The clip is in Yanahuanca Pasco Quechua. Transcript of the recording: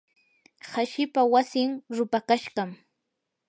hashipa wasin rupakashqam.